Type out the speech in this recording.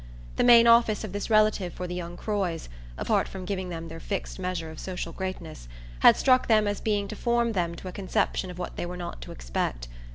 The main office of this relative for the young Croys apart from giving them their fixed measure of social greatness had struck them as being to form them to a conception of what they were not to expect.